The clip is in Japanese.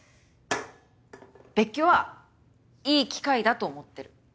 別居はいい機会だと思ってる。